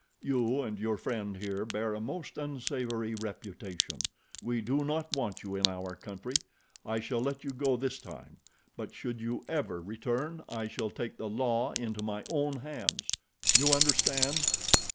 You and your friend here bear a most unsavory reputation. We do not want you in our country. I shall let you go this time; but should you ever return I shall take the law into my own hands. You understand?"